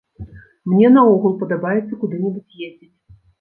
Мне наогул падабаецца куды-небудзь ездзіць.